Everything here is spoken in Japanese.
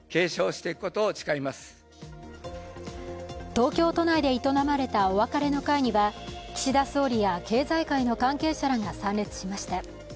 東京都内で営まれたお別れの会には岸田総理や経済界の関係者らが参列しました。